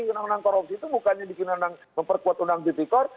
undang undang korupsi itu bukannya memperkuat undang titikor